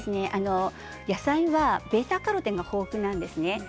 野菜はβ−カロテンが豊富なんです。